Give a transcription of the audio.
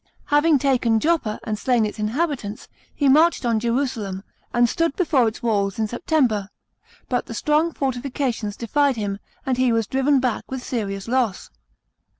Having taken Joppa and slain its inhabitants, he marched ou Jerusalem, and stood before its walls in September. But the strong fortifications defied him, and he was driven back with serious loss.